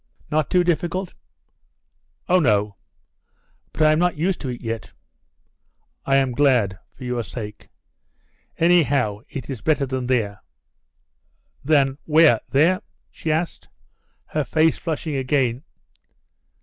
"Not too difficult?" "Oh, no. But I am not used to it yet." "I am glad, for your sake. Anyhow, it is better than there." "Than where there?" she asked, her face flushing again.